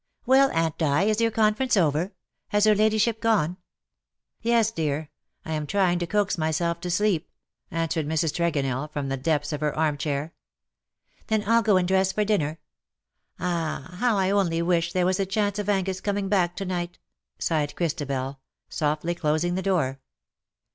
" Well, Aunt Di, is your conference over ? Has her ladyship gone ?"" Yes, dear; I am trying to coax myself to sleep,''' answered Mrs. Tregonell from the depths of her arm chair. " Then 1^11 go and dress for dinner. Ah, how I only wish there were a chance of Angus coming back to night V' sighed Christabel, softly closing the door.